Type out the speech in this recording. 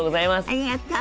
ありがとう！